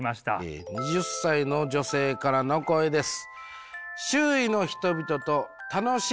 ２０歳の女性からの声です。